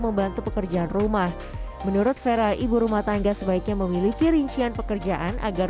membantu pekerjaan rumah menurut vera ibu rumah tangga sebaiknya memiliki rincian pekerjaan agar